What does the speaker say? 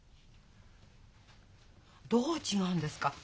どう違うんですか？